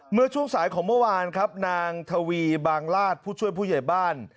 เมื่อช่วงสายของเมื่อวานครับนางทวีบางราชผู้ช่วยผู้ใหญ่บ้าน